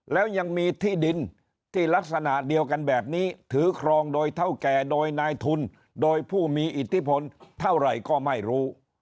แล้วยังมีที่ดินที่ลักษณะเดียวกันแบบนี้ถือครองโดยเท่าแก่โดยนายทุนโดยผู้มีอิทธิพลเท่าไหร่ก็ไม่รู้